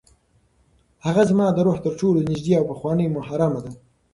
هغه زما د روح تر ټولو نږدې او پخوانۍ محرمه ده.